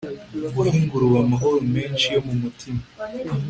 guha ingurube amahoro menshi yo mumutima